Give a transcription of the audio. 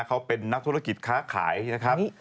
เขาเป็นนักธุรกิจค้าขายนะครับ